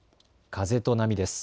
風と波です。